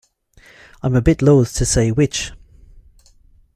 I'm a bit loath to say which!